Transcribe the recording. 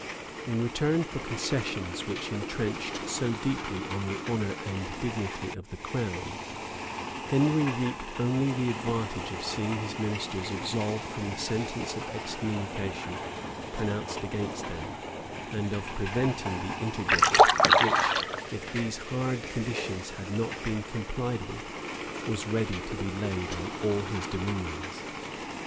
[*] In return for concessions which intrenched so deeply on the honor and dignity of the crown, Henry reaped only the advantage of seeing his ministers absolved from the sentence of excommunication pronounced against them, and of preventing the interdict, which, if these hard conditions had not been complied with, was ready to be laid on all his dominions.